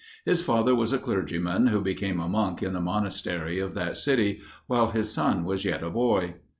His father was a clergyman, who became a monk in the monastery of that city, while his son was yet a boy.